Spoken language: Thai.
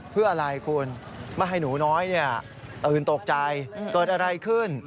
เพื่ออะไรคุณไม่ให้หนูน้อยตื่นตกใจเกิดอะไรขึ้น